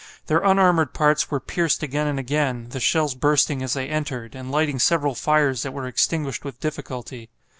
Their unarmoured parts were pierced again and again, the shells bursting as they entered, and lighting several fires that were extinguished with difficulty.